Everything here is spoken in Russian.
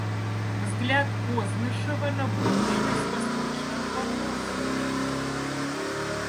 Взгляд Кознышева на будущность восточного вопроса.